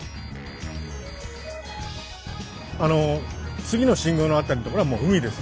あの次の信号の辺りのところはもう海です。